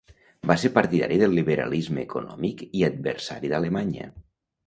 Va ser partidari del liberalisme econòmic i adversari d'Alemanya.